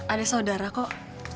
ada saudara kok